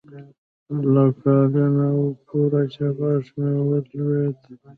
لا کال نه و پوره چې غاښ مې ولوېد.